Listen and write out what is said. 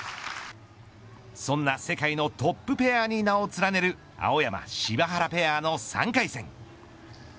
そんな世界のトップペアに名を連ねる青山、柴原ペアの３回戦。